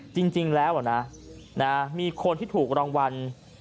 จริงแล้วอ่ะนะมีคนที่ถูกรองวรรณ์